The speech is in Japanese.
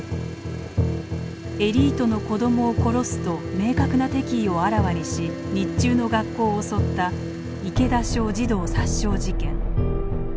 「エリートの子供を殺す」と明確な敵意をあらわにし日中の学校を襲った池田小児童殺傷事件。